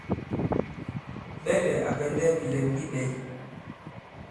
Ɓɛlɛ̀ à pɛ̀ndɛ bìlɛm bi ɓɛ̄.